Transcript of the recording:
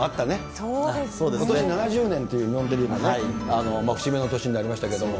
ことし７０年という日本テレビ、節目の年になりましたけれども。